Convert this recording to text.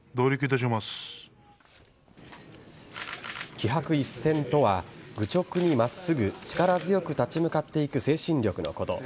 気魄一閃とは愚直に真っすぐ力強く立ち向かっていく精神力のこと。